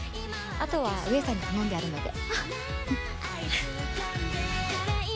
あとは上さんに頼んであるので。